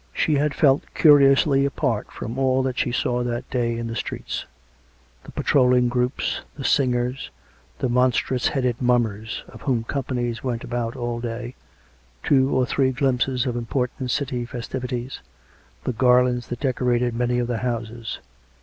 She had felt curiously apart from all that she saw that day in the streets — the patrolling groups, the singers, the monstrous headed mummers (of whom compa nies went about all day), two or three glimpses of important City fesrtivities, the garlands that decorated many of the houses.